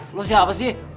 eh lo siapa sih